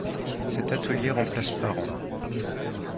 Cet atelier remplace par an.